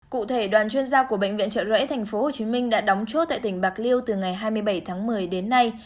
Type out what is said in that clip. cụ thể đoàn chuyên gia của bệnh viện trợ rẫy tp hcm đã đóng chốt tại tỉnh bạc liêu từ ngày hai mươi bảy tháng một mươi đến nay